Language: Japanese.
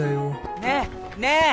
ねえねえ